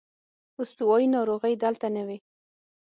استوايي ناروغۍ دلته نه وې.